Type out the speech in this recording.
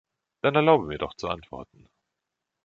Dann erlaube mir doch zu antworten.